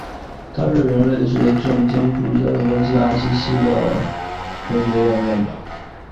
他是人类学圣经注释教授及阿西西的神学院院长。